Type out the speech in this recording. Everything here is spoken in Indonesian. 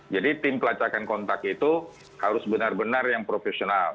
jadi tim pelacakan kontak itu harus benar benar yang profesional